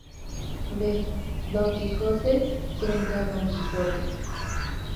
V.- Don Quijote frente a Don Quijote.